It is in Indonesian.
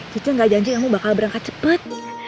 cece gak janji kamu bakal berangkat cepet